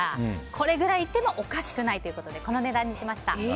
これぐらいいってもおかしくないということでこの値段にしました。